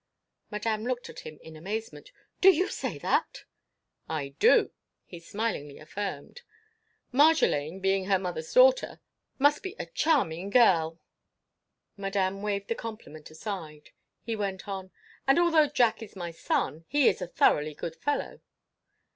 Madame looked at him in amazement. "Do you say that?" "I do," he smilingly affirmed. "Marjolaine, being her mother's daughter, must be a charming gel." Madame waved the compliment aside. He went on. "And although Jack is my son, he is a thoroughly good fellow."